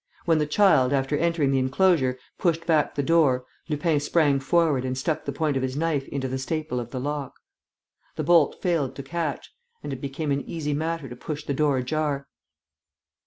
When the child, after entering the enclosure, pushed back the door Lupin sprang forward and stuck the point of his knife into the staple of the lock. The bolt failed to catch; and it became an easy matter to push the door ajar.